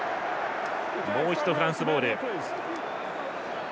もう一度フランスボール。